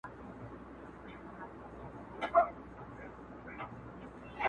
دا کيسه تل پوښتنه پرېږدي,